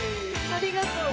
ありがとう。